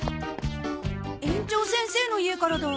園長先生の家からだ。